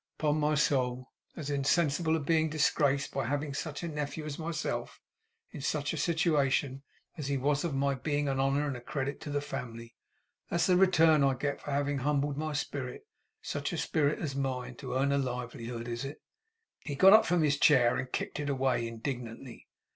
'Upon my soul! As insensible of being disgraced by having such a nephew as myself, in such a situation, as he was of my being an honour and a credit to the family! That's the return I get for having humbled my spirit such a spirit as mine to earn a livelihood, is it?' He got up from his chair, and kicked it away indignantly.